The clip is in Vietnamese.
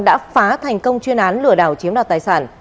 đã phá thành công chuyên án lửa đảo chiếm đoạt tài sản